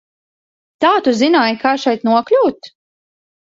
Tā tu zināji, kā šeit nokļūt?